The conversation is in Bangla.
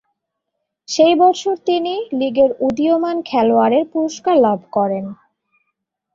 সেই বছর তিনি লিগের উদীয়মান খেলোয়াড়ের পুরস্কার লাভ করেন।